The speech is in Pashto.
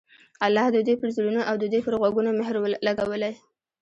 الله د دوى پر زړونو او د دوى په غوږونو مهر لګولى